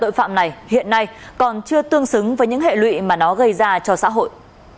tội phạm này hiện nay còn chưa tương xứng với những hệ lụy mà nó gây ra cho xã hội